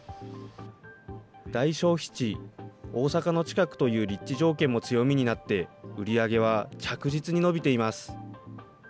大消費地、大阪の近くという立地条件も強みになって、売り上げは着実に伸びています。